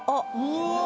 うわ！